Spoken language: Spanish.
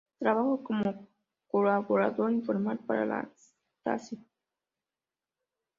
Trabajó como colaborador informal para la Stasi.